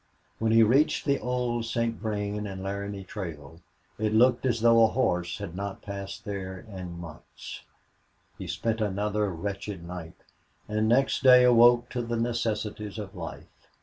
When he reached the old St. Vrain and Laramie Trail it looked as though a horse had not passed there in months. He spent another wretched night, and next day awoke to the necessities of life.